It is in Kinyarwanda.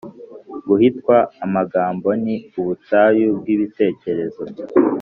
Guhitwa amagambo ni ubutayu bw’ibitekerezo